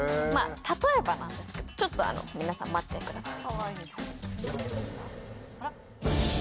例えばなんですけどちょっと皆さん待ってください。